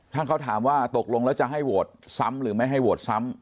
ทั้งเขาถามว่าตกลงแล้วจะให้โหวตซ้ำหรือไม่ให้โหวตซ้ำ